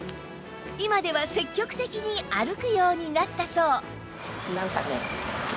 今では積極的に歩くようになったそう